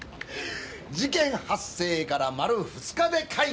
事件発生から丸２日で解決！